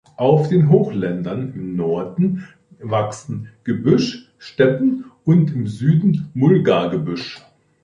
Auf den Hochländern im Norden wachsen Gebüsch-Steppen und im Süden Mulga-Gebüsch.